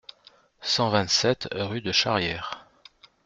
cent vingt-sept rue de Charrière